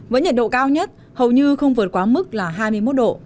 với nhiệt độ cao nhất hầu như không vượt quá mức là hai mươi một độ